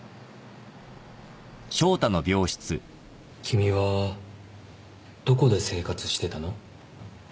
君はどこで生活してたの？